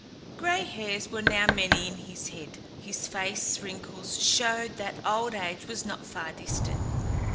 Gray hairs were now many in his head. His face wrinkles showed that old age was not far distant.